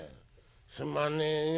「すまねえよ。